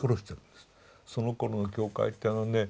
そのころの教会ってあのね